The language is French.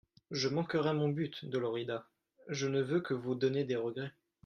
Je manquerais mon but, Dolorida ; je ne veux que vous donner des regrets.